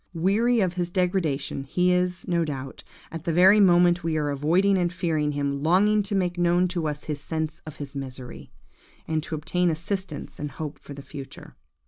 Weary of his degradation, he is, no doubt, at the very moment we are avoiding and fearing him, longing to make known to us his sense of his misery, and to obtain assistance and hope for the future.